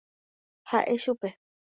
Ha'e chupe.